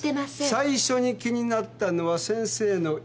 最初に気になったのは先生の息なんです。